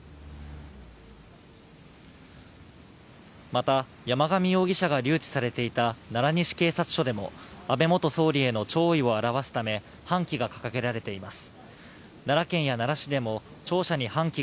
また、山上容疑者が留置されていた奈良西警察署でも安倍元総理への弔意を表すため半旗が掲げられています。